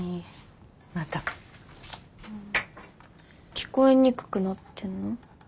聞こえにくくなってんの？